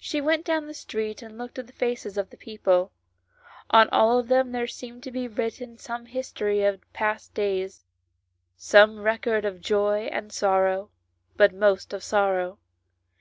She went down the street, she looked at the faces of the people; on all of them there seemed to be written some history of past days, some record of joy and sorrow, but most of sorrow.